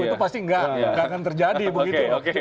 itu pasti nggak akan terjadi begitu